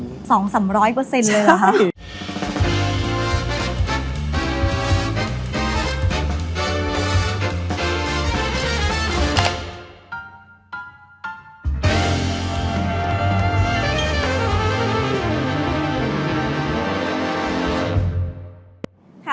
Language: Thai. ๒๓๐๐เลยเหรอคะ